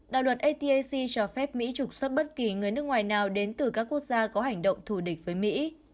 đạo luật atac cho phép mỹ trục xuất bất kỳ người nước ngoài nào đến từ các quốc gia có hành động thù địch với mỹ